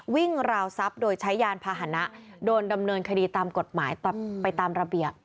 วิ่งราวทรัพย์โดยใช้ยานพาหนะโดนดำเนินคดีตามกฎหมายไปตามระเบียบ